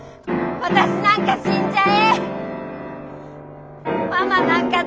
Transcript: ママなんか死んじゃえ！